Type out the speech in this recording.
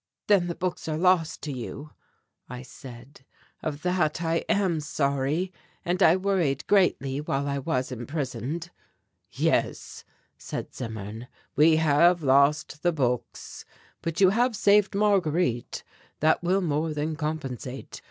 "Then the books are lost to you," I said; "of that I am sorry, and I worried greatly while I was imprisoned." "Yes," said Zimmern, "we have lost the books, but you have saved Marguerite. That will more than compensate.